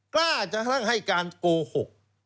กล้าจนกระทั่งให้การโกหก